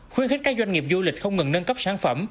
khuyến khích các doanh nghiệp du lịch không ngừng nâng cấp sản phẩm